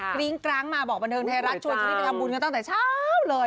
กริ้งกร้างมาบอกบันเทิงไทยรัฐชวนเชอรี่ไปทำบุญกันตั้งแต่เช้าเลย